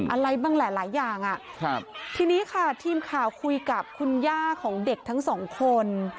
อะไรบ้างแหละหลายอย่างอ่ะครับทีนี้ค่ะทีมข่าวคุยกับคุณย่าของเด็กทั้งสองคน